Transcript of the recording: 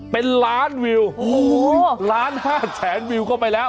เป็นล้านวิวโอ้โหล้านห้าแสนวิวเข้าไปแล้ว